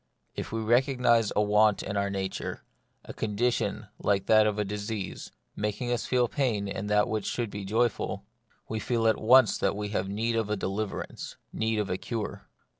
If we recognise a want in our own nature, a condition like that of disease, making us feel pain in that wlrch should be joyful, we feel at once that we have need of a deliverance, need of a cure.